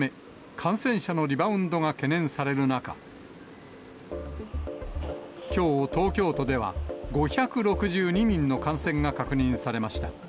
感染者のリバウンドが懸念される中、きょう、東京都では５６２人の感染が確認されました。